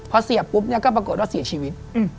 ตอนเสียบปุ๊บก็ปรากฎว่าเสียชีวิต